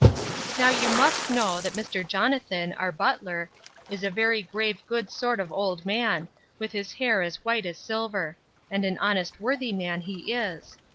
Now you must know, that Mr. Jonathan, our butler, is a very grave good sort of old man, with his hair as white as silver! and an honest worthy man he is.